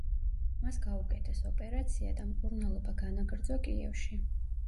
მას გაუკეთეს ოპერაცია და მკურნალობა განაგრძო კიევში.